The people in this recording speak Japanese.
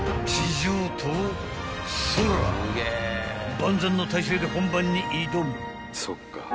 ［万全の態勢で本番に挑む］